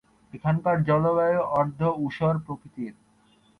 এখানকার জলবায়ু অর্ধ-ঊষর প্রকৃতির।